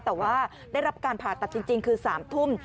แต่ว่าได้รับการผ่าตัดจริงคือ๓ทุ่ม